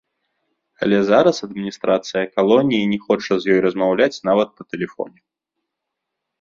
Але зараз адміністрацыя калоніі не хоча з ёй размаўляць нават па тэлефоне.